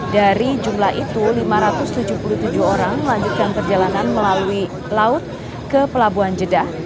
dari jumlah itu lima ratus tujuh puluh tujuh orang melanjutkan perjalanan melalui laut ke pelabuhan jeddah